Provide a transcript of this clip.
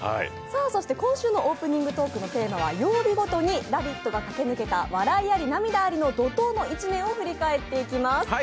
そして今週のオープニングトークのテーマは曜日ごとに「ラヴィット！」が駆け抜けた笑いあり涙ありの怒とうの１年を振り返っていきます